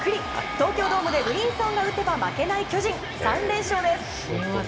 東京ドームでブリンソンが打てば負けない巨人３連勝です。